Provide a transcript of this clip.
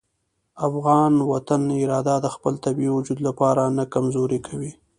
د افغان وطن اراده د خپل طبیعي وجود لپاره نه کمزورې کوي.